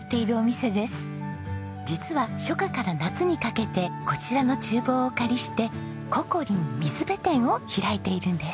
実は初夏から夏にかけてこちらの厨房をお借りしてｃｏｃｏ−Ｒｉｎ水辺店を開いているんです。